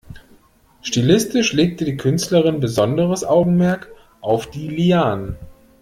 Stilistisch legte die Künstlerin besonderes Augenmerk auf die Lianen.